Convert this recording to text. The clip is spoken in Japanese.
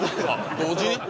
同時に。